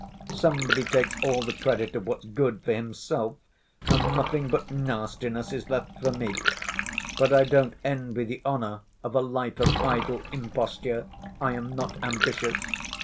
Somebody takes all the credit of what's good for Himself, and nothing but nastiness is left for me. But I don't envy the honor of a life of idle imposture, I am not ambitious.